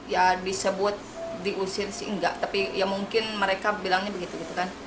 ya disebut diusir sih enggak tapi ya mungkin mereka bilangnya begitu gitu kan